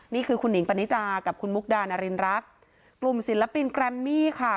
นี่คือคุณหิงปณิตากับคุณมุกดานารินรักกลุ่มศิลปินแกรมมี่ค่ะ